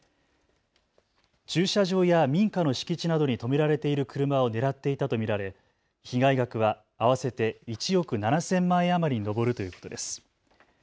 駐車場や民家の敷地などに止められている車を狙っていたと見られ被害額は合わせて１億７０００万円余りに上るということです。